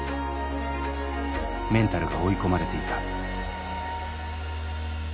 メンタルが追い込まれていた。